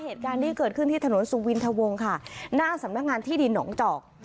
เหตุการณ์นี้เกิดขึ้นที่ถนนสุวินทวงค่ะหน้าสำนักงานที่ดินหนองจอก